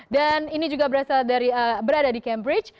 dan ini juga berasal dari berada di cambridge